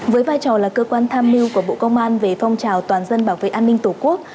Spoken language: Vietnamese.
với vai trò là cơ quan tham mưu của bộ công an về phong trào toàn dân bảo vệ an ninh tổ quốc